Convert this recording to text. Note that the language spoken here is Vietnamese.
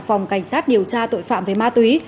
phòng cảnh sát điều tra tội phạm về ma túy